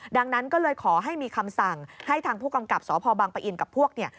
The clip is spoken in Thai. ดังนั้นก็เลยขอให้มีคำสั่งให้ทางผู้กำกับสพบังปะอินกับพวกเนี่ย